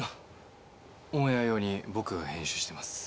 オンエア用に僕が編集してます。